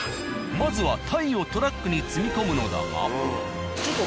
まずは鯛をトラックに積み込むのだが。